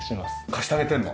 貸してあげてるの？